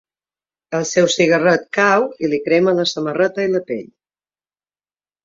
El seu cigarret cau i li crema la samarreta i la pell.